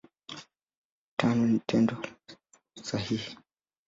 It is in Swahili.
Tano ni Tendo sahihi.